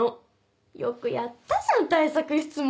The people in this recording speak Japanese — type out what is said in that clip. よくやったじゃん対策室も。